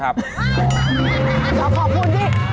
ขอบคุณที่